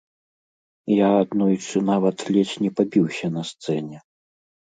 Я аднойчы нават ледзь не пабіўся на сцэне!